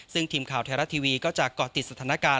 ซึ่งทีมข่าวไทยรัฐทีวีก็จะเกาะติดสถานการณ์